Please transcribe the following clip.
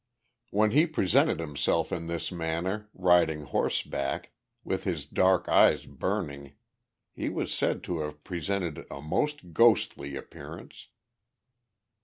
When he presented himself in this manner, riding horseback, with his dark eyes burning, he was said to have presented "a most ghostly appearance!"